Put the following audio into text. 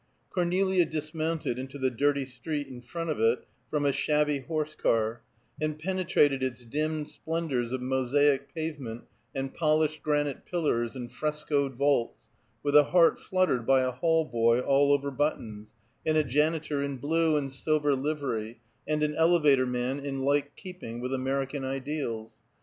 Cornelia dismounted into the dirty street in front of it from a shabby horse car, and penetrated its dimmed splendors of mosaic pavement and polished granite pillars and frescoed vaults, with a heart fluttered by a hall boy all over buttons, and a janitor in blue and silver livery, and an elevator man in like keeping with American ideals.